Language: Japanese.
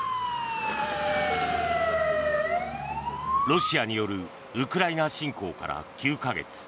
ロシアによるウクライナ侵攻から９か月。